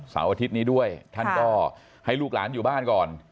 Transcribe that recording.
อาทิตย์นี้ด้วยท่านก็ให้ลูกหลานอยู่บ้านก่อน